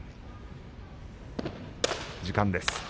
時間です。